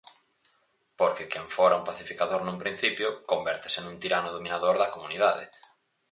Porque quen fora un pacificador nun principio, convértese nun tirano dominador da comunidade.